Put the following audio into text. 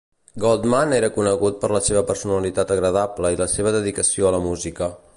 Goldman era conegut per la seva personalitat agradable i la seva dedicació a la música.